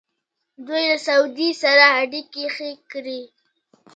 دوی له سعودي سره اړیکې ښې کړې.